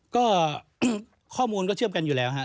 ก็ข้อมูลก็เชื่อมกันอยู่แล้วฮะ